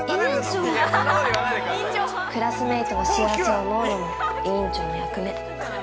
クラスメートの幸せを思うのも委員長の役目。